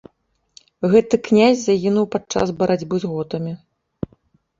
Гэты князь загінуў пад час барацьбы з готамі.